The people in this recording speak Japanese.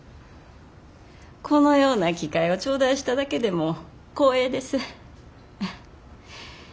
このような機会を頂戴しただけでも光栄です。